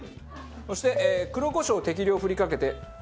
そして黒コショウを適量振りかけて。